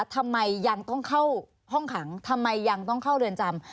ทำไมยังต้องเข้าห้องขังทำไมยังต้องเข้าเรือนจำ